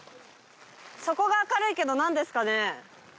そこが明るいけどなんですかね？